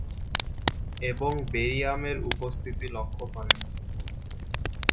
এবং বেরিয়াম এর উপস্থিতি লক্ষ্য করেন।